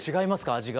味が。